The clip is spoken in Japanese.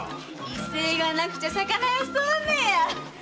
威勢がなくちゃ魚屋は勤まんねえや！